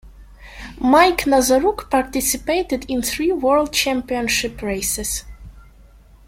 Mike Nazaruk participated in three World Championship races.